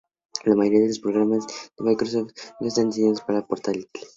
La mayoría de los programas para Microsoft Windows no están diseñados para ser portátiles.